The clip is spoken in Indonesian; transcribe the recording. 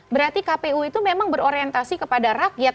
berarti kpu itu memang berorientasi kepada rakyat